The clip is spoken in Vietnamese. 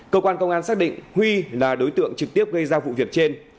cơ quan công an xác định huy là đối tượng trực tiếp gây ra vụ việc trên